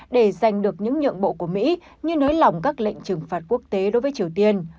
để giành được những nhượng bộ của mỹ như nới lỏng các lệnh trừng phạt quốc tế đối với triều tiên